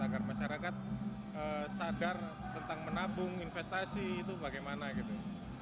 agar masyarakat sadar tentang menabung investasi itu bagaimana gitu